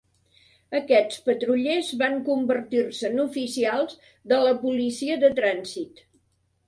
Aquests patrullers van convertir-se en oficials de la policia de trànsit.